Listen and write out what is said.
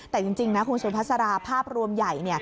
แต่จริงนะคุณสุภาษาราภาพรวมใหญ่